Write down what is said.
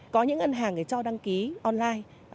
có những ngân hàng cho đăng ký online